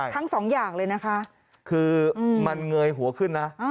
ทั้งสองอย่างเลยนะคะคือมันเงยหัวขึ้นนะ